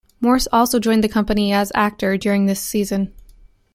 Morse also joined the company as actor during this season.